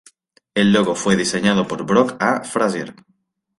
El logo fue diseñado por Brock A. Frazier.